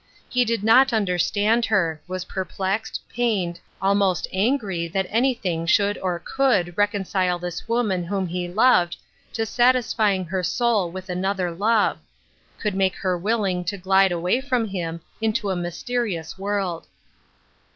He did not understand her ; he was per plexed, pained, almost angry that anything should or could reconcile this woman whom he loved to satisfying her soul with another love ; could make her willing to glide away from him into a mysteri ous world.